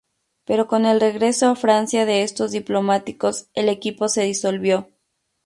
Pero con el regreso a Francia de estos diplomáticos, el equipo se disolvió.